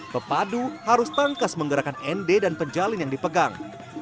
pepadu harus tangkas menggerakkan ende dan penjalin yang dipegang